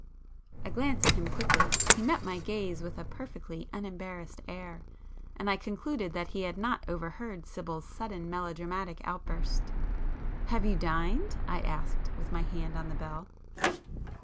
I glanced at him quickly;—he met my gaze with a perfectly unembarrassed air, and I concluded that he had not overheard Sibyl's sudden melodramatic outburst. "Have you dined?" I asked, with my hand on the bell.